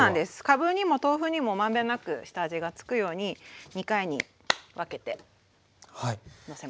かぶにも豆腐にも満遍なく下味がつくように２回に分けてのせました。